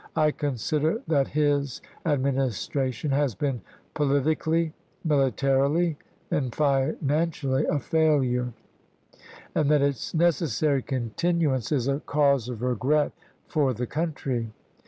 I consider that his Administration has been politi cally, militarily, and financially a failure, and that its necessary continuance is a cause of regret for 44 ABRAHAM LINCOLN chap ir the country.